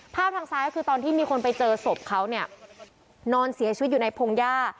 ทางซ้ายคือตอนที่มีคนไปเจอศพเขาเนี่ยนอนเสียชีวิตอยู่ในพงหญ้า